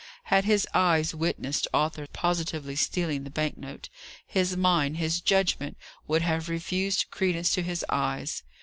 Had his eyes witnessed Arthur positively stealing the bank note, his mind, his judgment would have refused credence to his eyes.